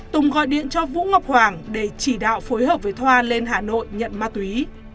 tùng gọi điện cho vũ ngọc hoàng để chỉ đạo phối hợp với thoa lên hà nội nhận ma túy